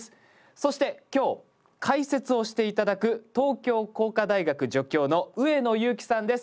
そして今日解説をして頂く東京工科大学助教の上野祐樹さんです。